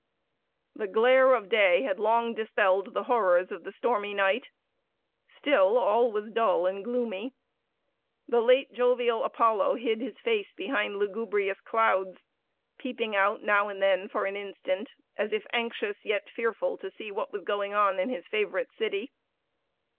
The glare of day had long dispelled the horrors of the stormy night; still all was dull and gloomy. The late jovial Apollo hid his face behind lugubrious clouds, peeping out now and then for an instant, as if anxious, yet fearful, to see what was going on in his favorite city.